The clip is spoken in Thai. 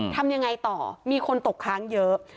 ทำยังไงต่อมีคนตกค้างเยอะ